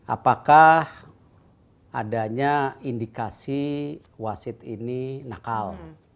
apakah adanya indikasi wasit ini nakal